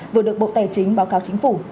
vừa được bộ tài chính báo cáo chính phủ